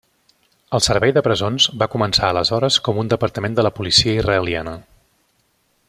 El Servei de Presons va començar aleshores com un departament de la Policia israeliana.